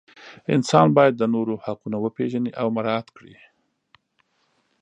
انسان باید د نورو حقونه وپیژني او مراعات کړي.